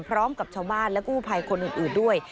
พร้อมกับชาวบ้านและกู้ภัยคนอื่นด้วย